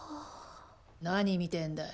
何見てんだい。